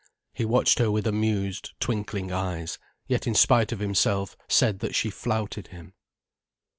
He watched her with amused, twinkling eyes, yet in spite of himself said that she flouted him.